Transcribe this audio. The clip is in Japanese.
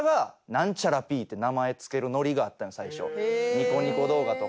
ニコニコ動画とか。